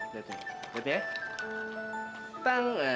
liat nih liat nih ya